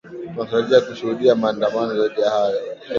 tunatarajia kushuhudia maandamano zaidi ya hayo